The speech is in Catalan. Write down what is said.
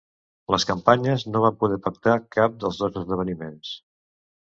Les campanyes no van poder pactar cap dels dos esdeveniments.